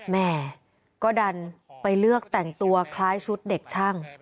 แม่ก็ดันไปเลือกแต่งตัวคล้ายชุดเด็กช่าง